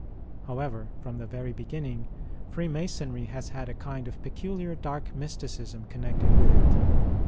However, from the very beginning, Freemasonry has had a kind of peculiar dark mysticism connected with it.